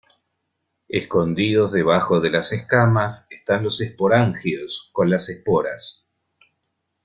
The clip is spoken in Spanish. Escondidos debajo de las escamas están los esporangios, con las esporas.